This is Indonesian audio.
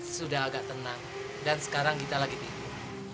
sudah agak tenang dan sekarang kita lagi tidur